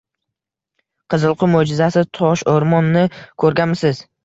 Qizilqum mo‘’jizasi:“Tosho‘rmon”ni ko‘rganmisiz?